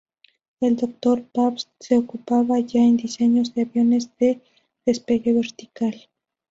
El doctor Pabst se ocupaba ya en diseños de aviones de despegue vertical.